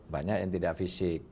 banyak yang tidak fisik